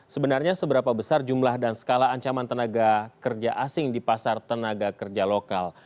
sebenarnya seberapa besar jumlah dan skala ancaman tenaga kerja asing di pasar tenaga kerja lokal